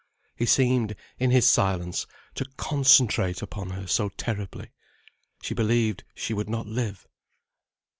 He seemed, in his silence, to concentrate upon her so terribly. She believed she would not live.